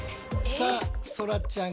さあそらちゃん。